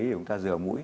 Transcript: thì chúng ta rửa mũi